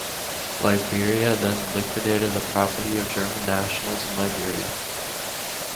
Liberia then liquidated the property of German nationals in Liberia.